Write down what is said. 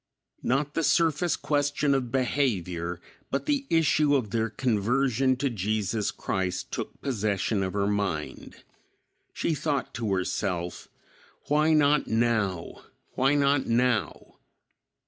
Not the surface question of behavior, but the issue of their conversion to Jesus Christ took possession of her mind. She thought to herself, "Why not now? Why not now?"